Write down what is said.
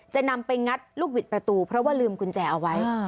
จะนำไปงัดลูกบิดประตูเพราะว่าลืมกุญแจเอาไว้